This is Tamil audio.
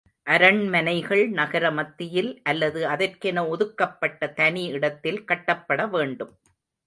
அரண்மனைகள் நகர மத்தியில் அல்லது அதற்கென ஒதுக்கப்பட்ட தனி இடத்தில் கட்டப்பட வேண்டும்.